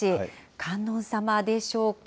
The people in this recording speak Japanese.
観音様でしょうか。